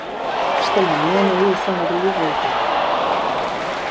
Astelehenean euria izango dugu bueltan.